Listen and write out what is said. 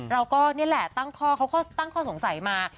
เราก็นี่แหละตั้งข้อสงสัยมา